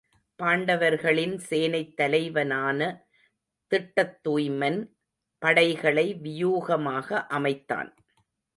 பாண்டவர்களின் சேனைத் தலைவனான திட்டத்துய்மன் படைகளை வியூகமாக அமைத்தான்.